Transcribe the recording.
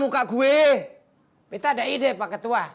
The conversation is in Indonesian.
kita ada ide pak ketua